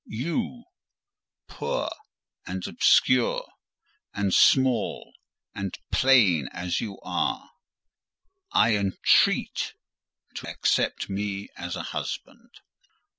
You—poor and obscure, and small and plain as you are—I entreat to accept me as a husband."